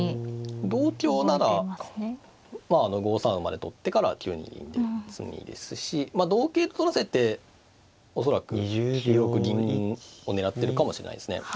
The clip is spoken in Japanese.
同香なら５三馬で取ってから９二銀で詰みですし同桂と取らせて恐らく９六銀を狙ってるかもしれないですね。